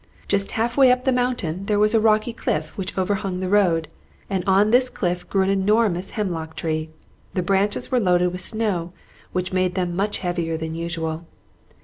Just half way up the mountain there was a rocky cliff which overhung the road, and on this cliff grew an enormous hemlock tree. The branches were loaded with snow, which made them much heavier than usual.